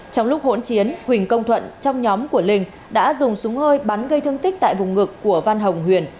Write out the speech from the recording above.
trong lúc hỗn chiến huỳnh công thuận trong nhóm của linh đã dùng súng hơi bắn gây thương tích tại vùng ngực của văn hồng huyền